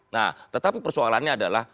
nah tetapi persoalannya adalah